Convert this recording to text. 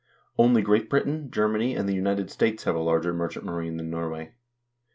2 Only Great Britain, Germany, and the United States have a larger merchant marine than Norway.